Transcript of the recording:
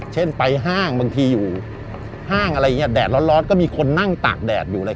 เช่นไปห้างบางทีอยู่ห้างอะไรอย่างนี้แดดร้อนก็มีคนนั่งตากแดดอยู่อะไร